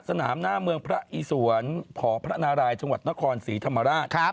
สนามหน้าเมืองพระอีสวนพพระนารายชนครศรีธรรมราช